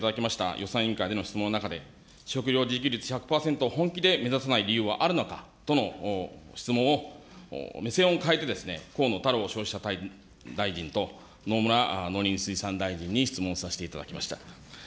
予算委員会での質問の中で、食料自給率１００％を本気で目指さない理由はあるのかとの質問を目線を変えて、河野太郎消費者大臣と野村農林水産大臣に質問させていただきました。